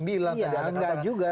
ya enggak juga